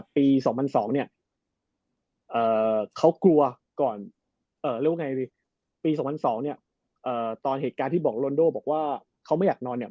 ปี๒๐๐๒เนี่ยเขากลัวก่อนตอนเหตุการณ์ที่บอกรอนโด้บอกว่าเขาไม่อยากนอนเนี่ย